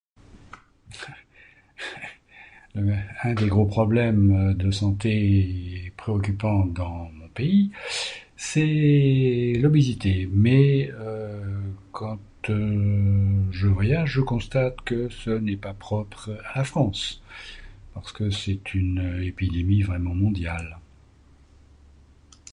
Un des gros problèmes de santé préoccupant dans mon pays c'est l'obésité. Mais heu, quand je voyage je constate que ce n'est pas propre à la France. Parce que c'est une épidémie vraiment mondiale.